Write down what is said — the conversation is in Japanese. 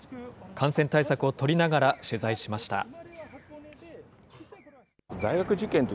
感染対策を取りながら、取材しました。